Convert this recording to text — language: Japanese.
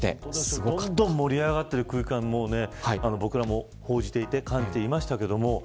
すごく盛り上がっている空間を僕らも報じていて感じていましたから。